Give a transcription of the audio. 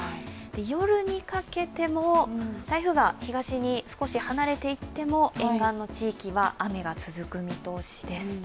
夜にかけても、台風が東に少し離れていっても、沿岸の地域は雨が続く見通しです。